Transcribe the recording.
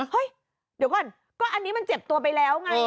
เฮ้ยเดี๋ยวก่อนก็อันนี้มันเจ็บตัวไปแล้วไง